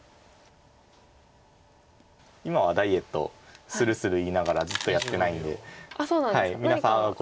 今はダイエットするする言いながらずっとやってないんで皆さん会うことあったら。